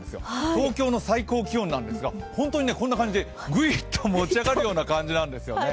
東京の最高気温なんですが本当にこんな感じでグイッと持ち上がるような感じなんですよね。